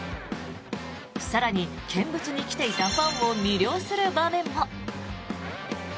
更に、見物に来ていたファンを魅了する場面も。